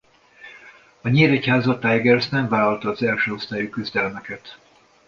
A Nyíregyháza Tigers nem vállalta az első osztályú küzdelmeket.